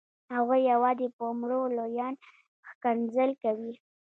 هغوی یوازې په مړو لویان ښکنځل کوي.